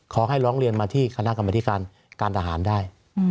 ร้องเรียนมาที่คณะกรรมธิการการทหารได้